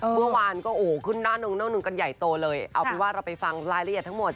เมื่อวานก็อาวุ่นนั่งนั่งใหญ่โตเราไปฟังรายละเอียดทั้งหมด